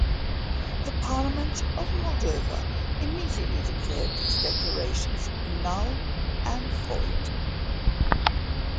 The parliament of Moldova immediately declared these declarations null and void.